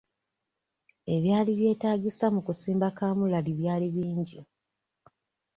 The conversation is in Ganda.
Ebyali byetaagisa mu kusimba kaamulali byali bingi.